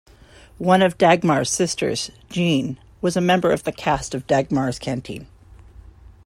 One of Dagmar's sisters, Jean, was a member of the cast of "Dagmar's Canteen".